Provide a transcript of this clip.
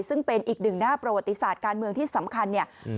ซึ่งเป็นอีกหนึ่งหน้าประวัติศาสตร์การเมืองที่สำคัญเนี่ย